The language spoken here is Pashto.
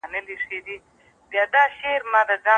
که نجونې دفاع وکړي نو عزت به نه لوت کېږي.